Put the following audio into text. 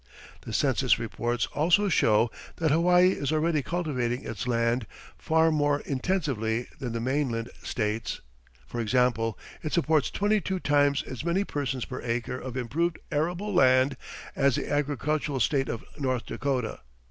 The census reports also show that Hawaii is already cultivating its land far more intensively than the mainland states; for example, it supports twenty two times as many persons per acre of improved arable land as the agricultural state of North Dakota.